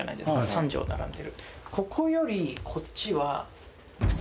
３畳並んでる。